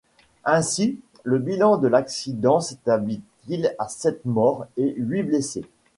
Ainsi, le bilan de l'accident s'établit-il à sept morts et huit blessés.